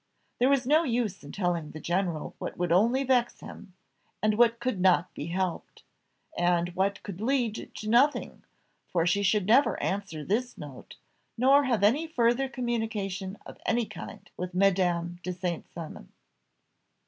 There was no use in telling the general what would only vex him, and what could not be helped; and what could lead to nothing, for she should never answer this note, nor have any further communication of any kind with Madame de St. Cymon.